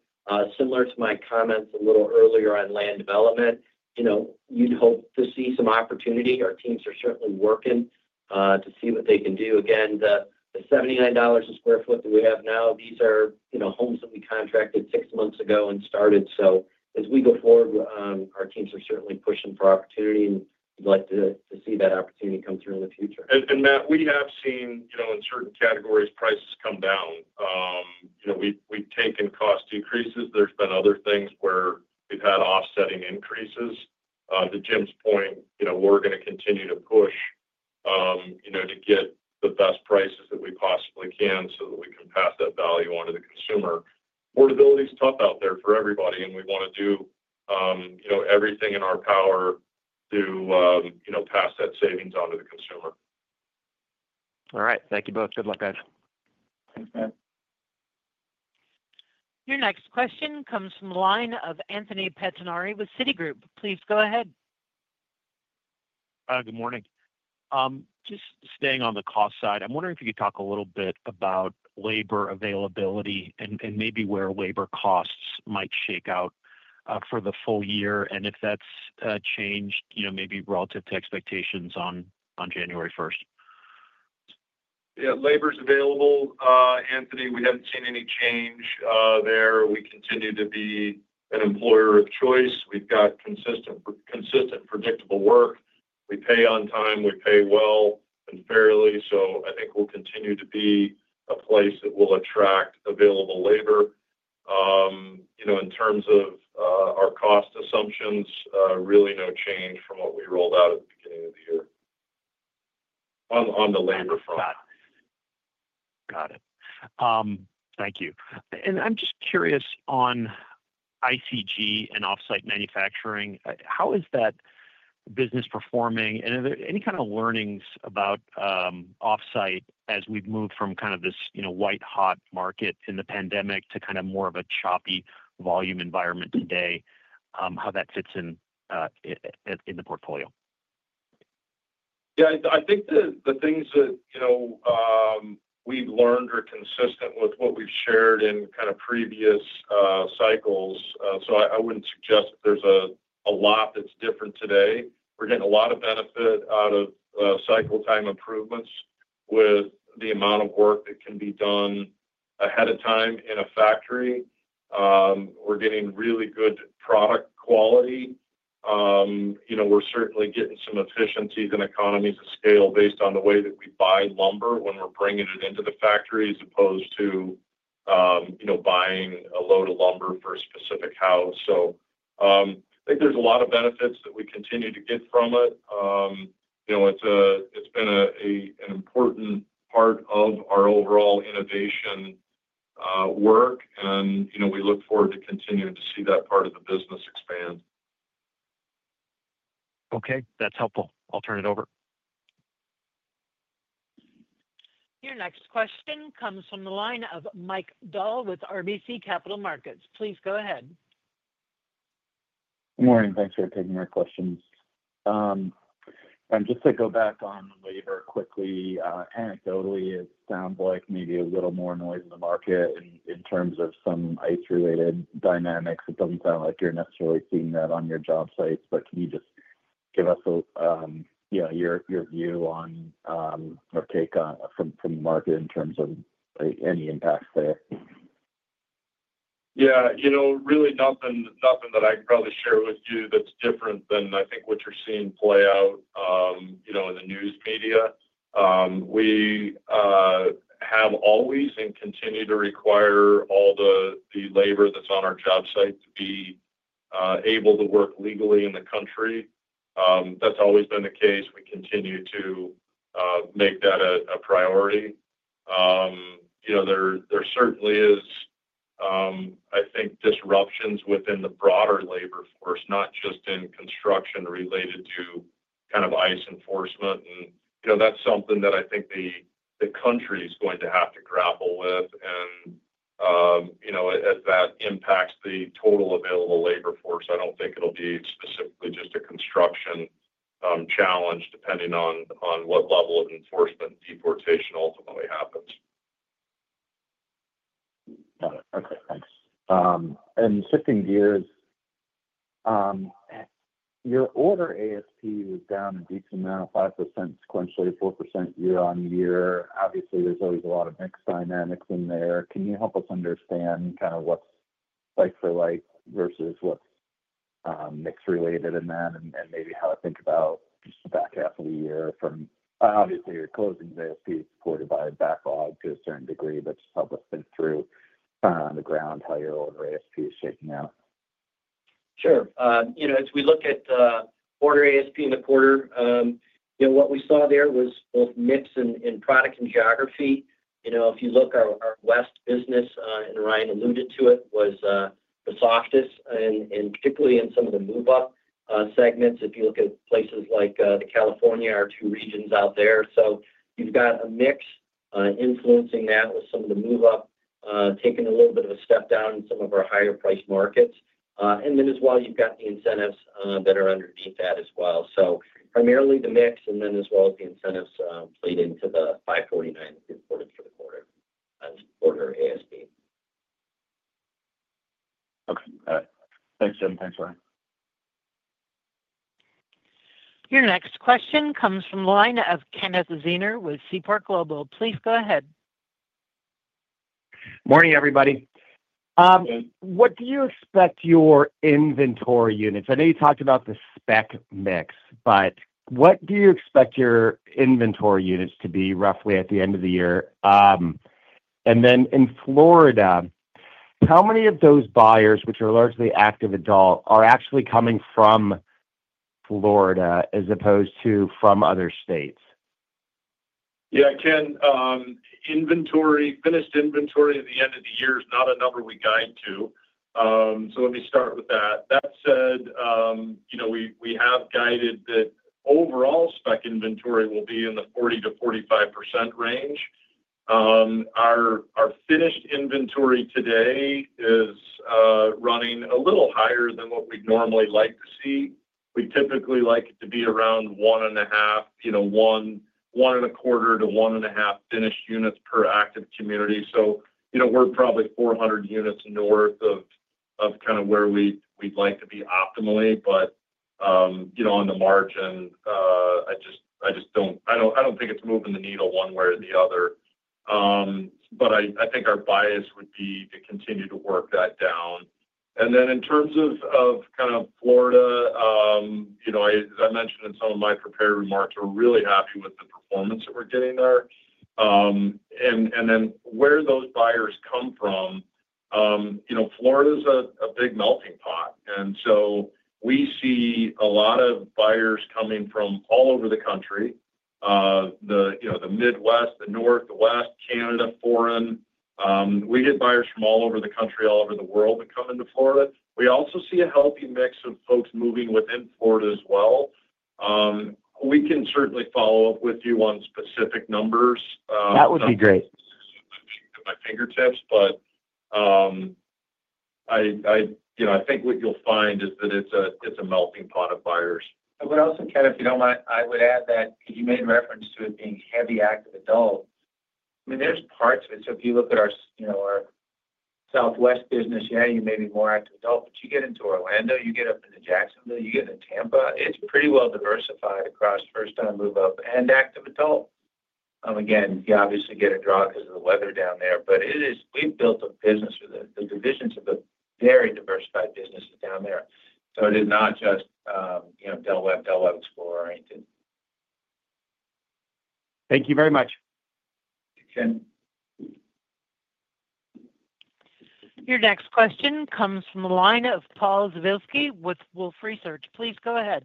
Similar to my comments a little earlier on land development. You'd hope to see some opportunity, our teams are certainly working to see what they can do. Again, the $79 a sq ft that we have now, these are homes that we contracted six months ago and started. As we go forward, our teams are certainly pushing for opportunity. We'd like to see that opportunity come through in the future. Matt, we have seen in certain categories, prices come down. We've taken cost decreases. There's been other things where we've had offsetting increases. To Jim's point, we're going to continue to push to get the best prices that we possibly can so that we can pass that value on to the consumer. Portability is tough out there for everybody. We want to do everything in our power to pass that savings on to the consumer. All right. Thank you both. Good luck, guys. Thanks, man. Your next question comes from the line of Anthony Pettinari with Citigroup. Please go ahead. Good morning. Just staying on the cost side, I'm wondering if you could talk a little bit about labor availability and maybe where labor costs might shake out for the full year and if that's changed maybe relative to expectations on January 1st? Yeah. Labor's available. Anthony, we haven't seen any change there. We continue to be an employer of choice. We've got consistent, predictable work. We pay on time. We pay well and fairly. I think we'll continue to be a place that will attract available labor. In terms of our cost assumptions, really no change from what we rolled out at the beginning of the year on the labor front. Got it. Thank you. I'm just curious on ICG and off-site manufacturing. How is that business performing? Are there any kind of learnings about off-site as we've moved from kind of this white-hot market in the pandemic to kind of more of a choppy volume environment today, how that fits in the portfolio? Yeah. I think the things that we've learned are consistent with what we've shared in kind of previous cycles. I wouldn't suggest that there's a lot that's different today. We're getting a lot of benefit out of cycle-time improvements with the amount of work that can be done ahead of time in a factory. We're getting really good product quality. We're certainly getting some efficiencies and economies of scale based on the way that we buy lumber when we're bringing it into the factory as opposed to buying a load of lumber for a specific house. I think there's a lot of benefits that we continue to get from it. It's been an important part of our overall innovation work. We look forward to continuing to see that part of the business expand. Okay. That's helpful. I'll turn it over. Your next question comes from the line of Mike Dhal with RBC Capital Markets. Please go ahead. Good morning. Thanks for taking my questions. Just to go back on labor quickly, anecdotally, it sounds like maybe a little more noise in the market in terms of some ICE-related dynamics. It doesn't sound like you're necessarily seeing that on your job sites, but can you just give us your view on or take from the market in terms of any impacts there? Yeah. Really nothing that I can probably share with you that's different than I think what you're seeing play out in the news media. We have always and continue to require all the labor that's on our job sites to be able to work legally in the country. That's always been the case. We continue to make that a priority. There certainly is, I think, disruptions within the broader labor force, not just in construction related to kind of ICE enforcement. That's something that I think the country is going to have to grapple with as that impacts the total available labor force, I don't think it'll be specifically just a construction challenge depending on what level of enforcement deportation ultimately happens. Got it. Okay. Thanks. Shifting gears, your order ASP was down a decent amount, 5% sequentially, 4% year-on-year. Obviously, there's always a lot of mix dynamics in there. Can you help us understand kind of what's like-for-like versus what's mix-related in that and maybe how to think about just the back half of the year from, obviously, your closings ASP is supported by a backlog to a certain degree. Just help us think through on the ground how your order ASP is shaking out? Sure. As we look at order ASP in the quarter, what we saw there was both mix in product and geography. If you look, our West business, and Ryan alluded to it, was the softest. Particularly in some of the move-up segments, if you look at places like California, our two regions out there. You've got a mix influencing that with some of the move-up taking a little bit of a step down in some of our higher-priced markets. As well, you've got the incentives that are underneath that as well. Primarily the mix and then as well as the incentives played into the $549,000 reported for the quarter ASP. Okay. Got it. Thanks, Jim. Thanks, Ryan. Your next question comes from the line of Kenneth Zener with Seaport Global. Please go ahead. Morning, everybody. What do you expect your inventory units? I know you talked about the spec mix, but what do you expect your inventory units to be roughly at the end of the year? And then in Florida, how many of those buyers, which are largely active adult, are actually coming from Florida as opposed to from other states? Yeah. Ken, finished inventory at the end of the year is not a number we guide to. Let me start with that. That said, we have guided that overall spec inventory will be in the 40-45% range. Our finished inventory today is running a little higher than what we'd normally like to see. We typically like it to be around one and a half, one and a quarter to one and a half finished units per active community. We're probably 400 units north of kind of where we'd like to be optimally. On the margin, I just don't think it's moving the needle one way or the other. I think our bias would be to continue to work that down. In terms of Florida, as I mentioned in some of my prepared remarks, we're really happy with the performance that we're getting there. Where those buyers come from, Florida is a big melting pot. We see a lot of buyers coming from all over the country. The Midwest, the North, the West, Canada, foreign. We get buyers from all over the country, all over the world that come into Florida. We also see a healthy mix of folks moving within Florida as well. We can certainly follow up with you on specific numbers. That would be great. Not at my fingertips, but I think what you'll find is that it's a melting pot of buyers. I would also, Ken, if you don't mind, I would add that because you made reference to it being heavy active adult. There's parts of it. If you look at our Southwest business, yeah, you may be more active adult. You get into Orlando, you get up into Jacksonville, you get into Tampa, it's pretty well diversified across first-time, move-up, and active adult. You obviously get a draw because of the weather down there. We've built a business with the divisions of a very diversified business down there. It is not just Del Webb, Del Webb Explorer or anything. Thank you very much. Your next question comes from the line of Paul Przybylski with Wolfe Research. Please go ahead.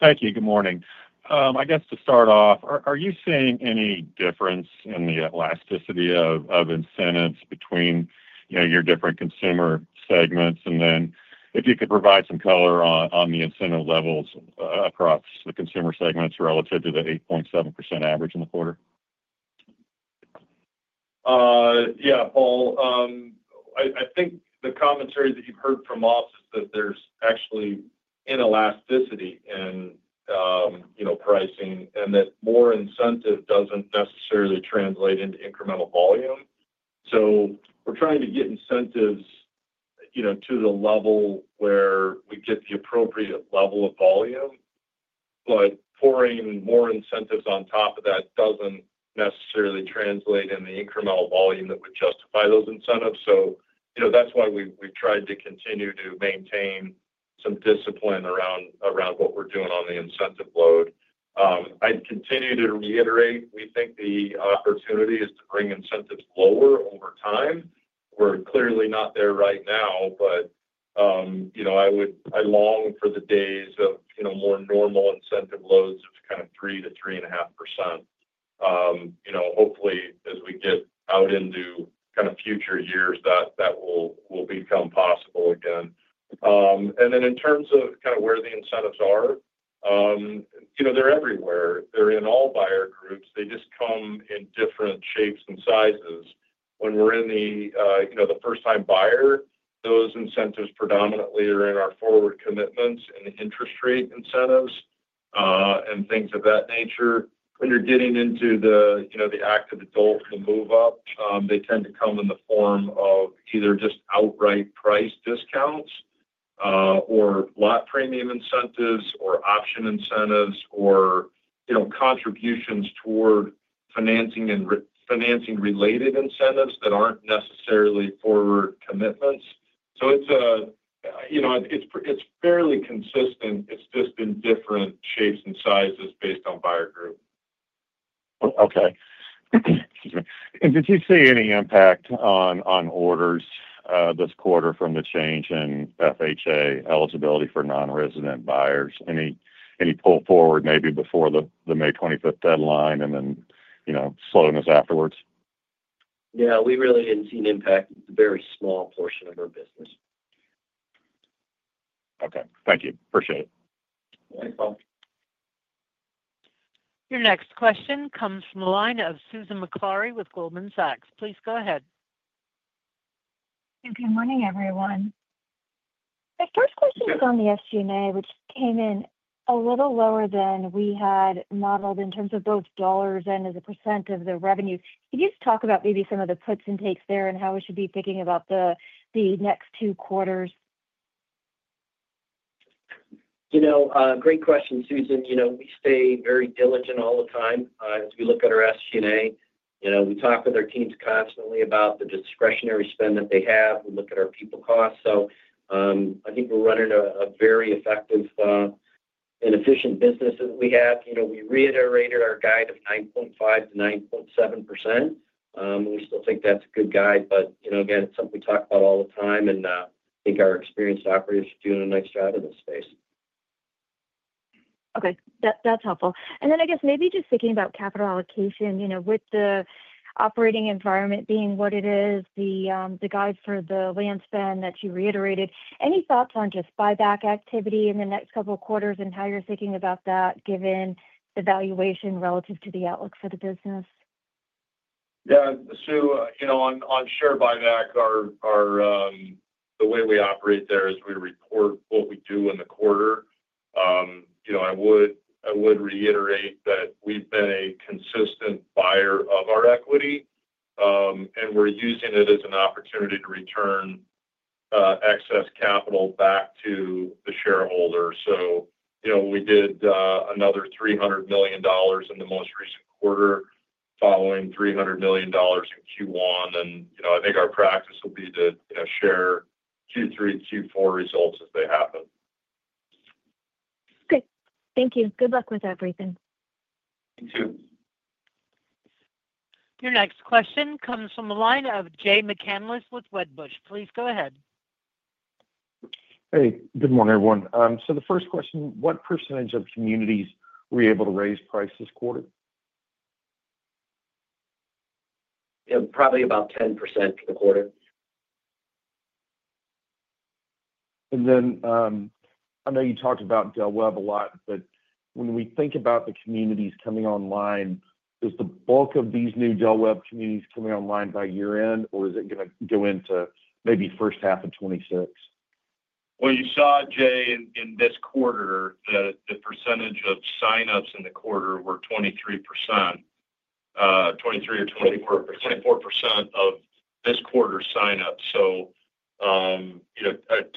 Thank you. Good morning. I guess to start off, are you seeing any difference in the elasticity of incentives between your different consumer segments? If you could provide some color on the incentive levels across the consumer segments relative to the 8.7% average in the quarter. Yeah, Paul. I think the commentary that you've heard from us is that there's actually inelasticity in. Pricing and that more incentive does not necessarily translate into incremental volume. We are trying to get incentives to the level where we get the appropriate level of volume. Pouring more incentives on top of that does not necessarily translate in the incremental volume that would justify those incentives. That is why we have tried to continue to maintain some discipline around what we are doing on the incentive load. I would continue to reiterate we think the opportunity is to bring incentives lower over time. We are clearly not there right now. I long for the days of more normal incentive loads of kind of 3-3.5%. Hopefully, as we get out into kind of future years, that will become possible again. In terms of kind of where the incentives are, they are everywhere. They are in all buyer groups. They just come in different shapes and sizes. When we are in the first-time buyer, those incentives predominantly are in our forward commitments and interest rate incentives and things of that nature. When you are getting into the active adult, the move-up, they tend to come in the form of either just outright price discounts or lot premium incentives or option incentives or contributions toward financing related incentives that are not necessarily forward commitments. It is fairly consistent. It is just in different shapes and sizes based on buyer group. Okay. Excuse me. Did you see any impact on orders this quarter from the change in FHA eligibility for non-resident buyers? Any pull forward maybe before the May 25th deadline and then slowness afterwards? Yeah. We really did not see an impact. It is a very small portion of our business. Okay. Thank you. Appreciate it. Thanks, Paul. Your next question comes from the line of Susan Maklari with Goldman Sachs. Please go ahead. Good morning, everyone. My first question is on the SG&A, which came in a little lower than we had modeled in terms of both dollars and as a percent of the revenue. Could you just talk about maybe some of the puts and takes there and how we should be thinking about the next two quarters? Great question, Susan. We stay very diligent all the time. As we look at our SG&A, we talk with our teams constantly about the discretionary spend that they have. We look at our people costs. I think we are running a very effective and efficient business that we have. We reiterated our guide of 9.5-9.7%. We still think that is a good guide. It is something we talk about all the time. I think our experienced operators are doing a nice job in this space. Okay. That is helpful. I guess maybe just thinking about capital allocation with the operating environment being what it is, the guide for the land spend that you reiterated, any thoughts on just buyback activity in the next couple of quarters and how you are thinking about that given the valuation relative to the outlook for the business? Yeah. So on share buyback. The way we operate there is we report what we do in the quarter. I would reiterate that we've been a consistent buyer of our equity. And we're using it as an opportunity to return excess capital back to the shareholders. So we did another $300 million in the most recent quarter following $300 million in Q1. I think our practice will be to share Q3, Q4 results as they happen. Okay. Thank you. Good luck with everything. You too. Your next question comes from the line of Jay McCanless with Wedbush. Please go ahead. Hey. Good morning, everyone. The first question, what percentage of communities were you able to raise price this quarter? Probably about 10% for the quarter. I know you talked about Del Webb a lot, but when we think about the communities coming online, is the bulk of these new Del Webb communities coming online by year-end, or is it going to go into maybe first half of 2026? You saw, Jay, in this quarter, the percentage of sign-ups in the quarter were 23%. 23 or 24% of this quarter's sign-ups.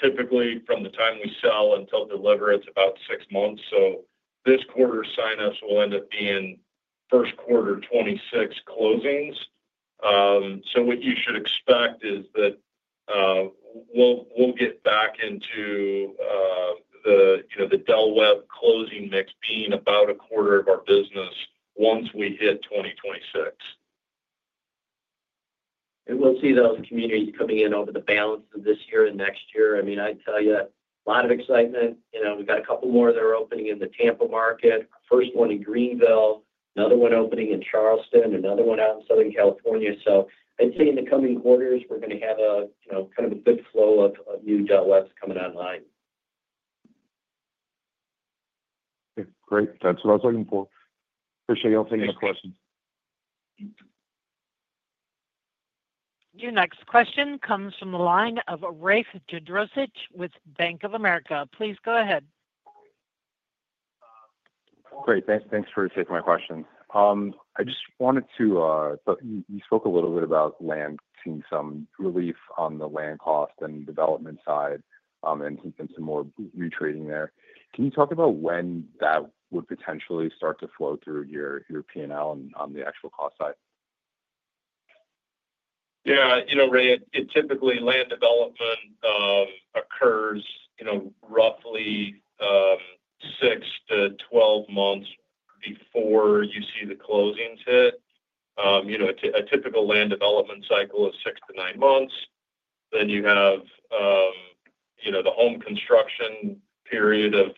Typically, from the time we sell until deliver, it's about six months. This quarter's sign-ups will end up being first quarter 2026 closings. What you should expect is that we'll get back into the Del Webb closing mix being about a quarter of our business once we hit 2026. We'll see those communities coming in over the balance of this year and next year. I'd tell you a lot of excitement. We've got a couple more that are opening in the Tampa market, our first one in Greenville, another one opening in Charleston, another one out in Southern California. I'd say in the coming quarters, we're going to have kind of a good flow of new Del Webbs coming online. Okay. Great. That's what I was looking for. Appreciate y'all taking my questions. Your next question comes from the line of Rafe Jadrosic with Bank of America. Please go ahead. Great.Thanks for taking my question. I just wanted to. You spoke a little bit about land, seeing some relief on the land cost and development side and some more retreating there. Can you talk about when that would potentially start to flow through your P&L on the actual cost side? Yeah. Rafe, typically, land development occurs roughly 6-12 months before you see the closings hit. A typical land development cycle is 6-9 months. Then you have the home construction period of,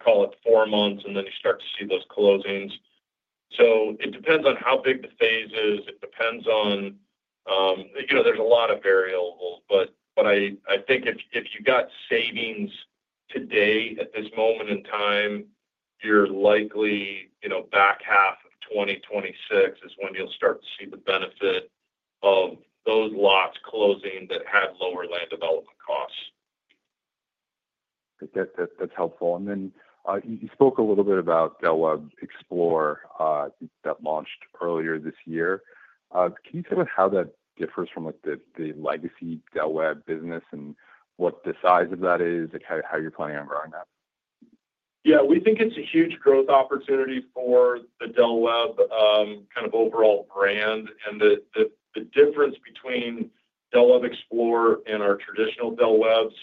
call it, 4 months, and then you start to see those closings. It depends on how big the phase is. It depends on. There's a lot of variables. I think if you got savings today at this moment in time, you're likely back half of 2026 is when you'll start to see the benefit of those lots closing that had lower land development costs. That's helpful. You spoke a little bit about Del Webb Explorer. That launched earlier this year. Can you tell me how that differs from the legacy Del Webb business and what the size of that is and how you're planning on growing that? Yeah. We think it's a huge growth opportunity for the Del Webb kind of overall brand. The difference between Del Webb Explorer and our traditional Del Webbs,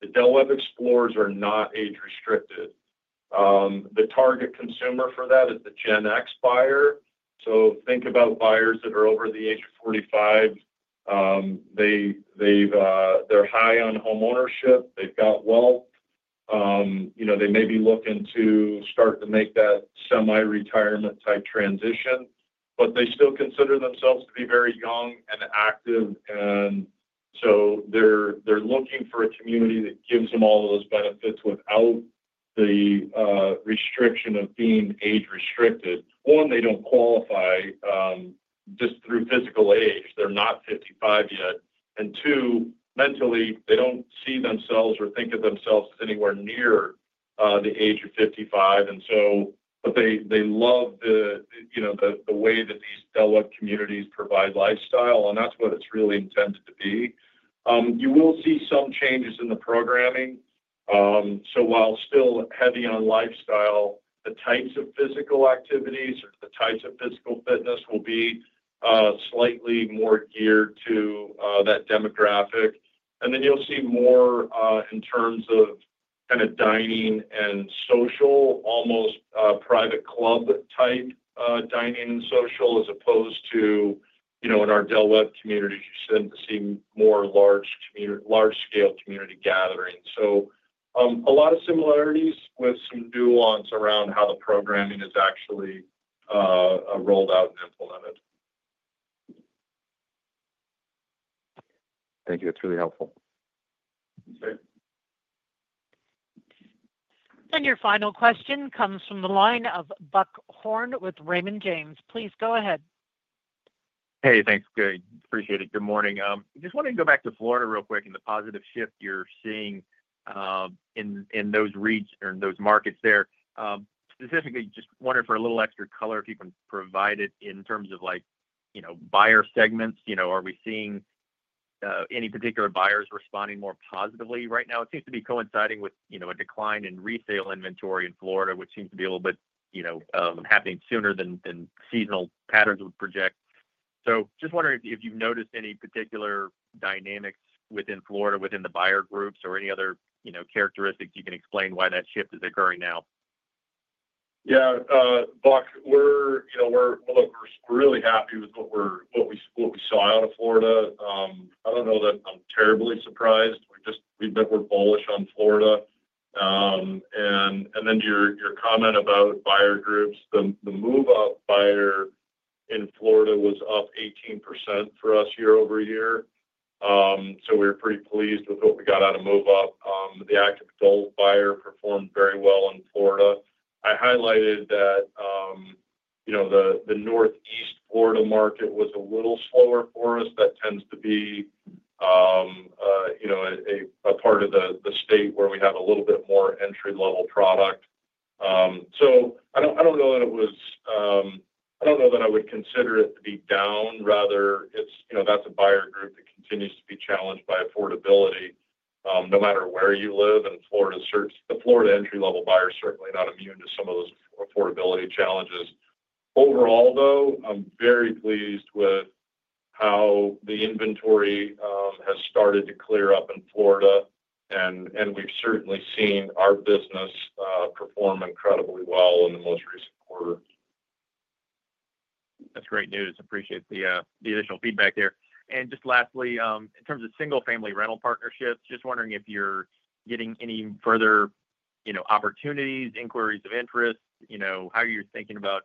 the Del Webb Explorers are not age-restricted. The target consumer for that is the Gen X buyer. So think about buyers that are over the age of 45. They're high on homeownership. They've got wealth. They may be looking to start to make that semi-retirement-type transition, but they still consider themselves to be very young and active. They're looking for a community that gives them all of those benefits without the restriction of being age-restricted. One, they don't qualify just through physical age. They're not 55 yet. Two, mentally, they don't see themselves or think of themselves as anywhere near the age of 55. They love the way that these Del Webb communities provide lifestyle. That's what it's really intended to be. You will see some changes in the programming. While still heavy on lifestyle, the types of physical activities or the types of physical fitness will be slightly more geared to that demographic. You'll see more in terms of kind of dining and social, almost private club-type dining and social as opposed to in our Del Webb communities, you tend to see more large-scale community gatherings. A lot of similarities with some nuance around how the programming is actually rolled out and implemented. Thank you. That's really helpful. Your final question comes from the line of Buck Horn with Raymond James. Please go ahead. Hey, thanks. Appreciate it. Good morning. Just wanted to go back to Florida real quick and the positive shift you're seeing in those markets there. Specifically, just wondering for a little extra color if you can provide it in terms of buyer segments. Are we seeing any particular buyers responding more positively right now? It seems to be coinciding with a decline in resale inventory in Florida, which seems to be a little bit happening sooner than seasonal patterns would project. Just wondering if you've noticed any particular dynamics within Florida, within the buyer groups, or any other characteristics you can explain why that shift is occurring now? Yeah. Buck, we're really happy with what we saw out of Florida. I don't know that I'm terribly surprised. We've been bullish on Florida. Your comment about buyer groups, the move-up buyer. In Florida was up 18% for us year-over-year. So we were pretty pleased with what we got out of move-up. The active adult buyer performed very well in Florida. I highlighted that. The Northeast Florida market was a little slower for us. That tends to be a part of the state where we have a little bit more entry-level product. So I do not know that it was. I do not know that I would consider it to be down. Rather, that is a buyer group that continues to be challenged by affordability no matter where you live. And the Florida entry-level buyer is certainly not immune to some of those affordability challenges. Overall, though, I am very pleased with how the inventory has started to clear up in Florida. And we have certainly seen our business perform incredibly well in the most recent quarter. That is great news. Appreciate the initial feedback there. And just lastly, in terms of single-family rental partnerships, just wondering if you are getting any further opportunities, inquiries of interest, how you are thinking about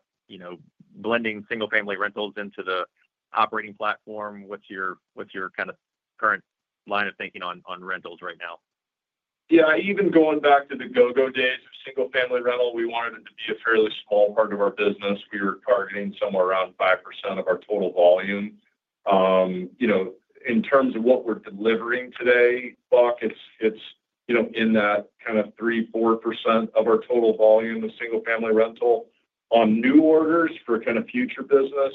blending single-family rentals into the operating platform. What is your kind of current line of thinking on rentals right now? Yeah. Even going back to the go-go days of single-family rental, we wanted it to be a fairly small part of our business. We were targeting somewhere around 5% of our total volume. In terms of what we are delivering today, Buck, it is in that kind of 3-4% of our total volume of single-family rental. On new orders for kind of future business.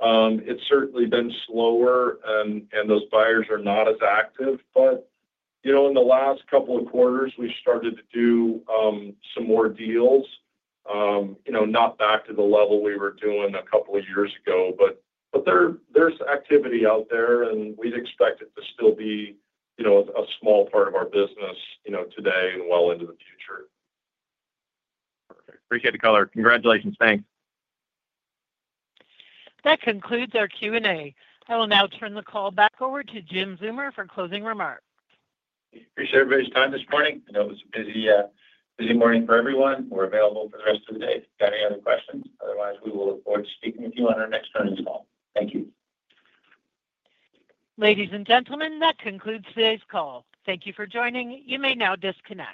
It has certainly been slower, and those buyers are not as active. But in the last couple of quarters, we have started to do some more deals, not back to the level we were doing a couple of years ago. But there is activity out there, and we would expect it to still be a small part of our business today and well into the future. Perfect. Appreciate the color. Congratulations. Thanks. That concludes our Q&A. I will now turn the call back over to Jim Zeumer for closing remarks. Appreciate everybody's time this morning. I know it was a busy morning for everyone. We are available for the rest of the day if you have got any other questions. Otherwise, we will look forward to speaking with you on our next earnings call. Thank you. Ladies and gentlemen, that concludes today's call. Thank you for joining. You may now disconnect.